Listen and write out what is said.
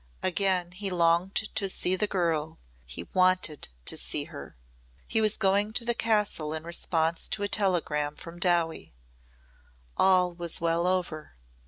Again he longed to see the girl he wanted to see her. He was going to the castle in response to a telegram from Dowie. All was well over.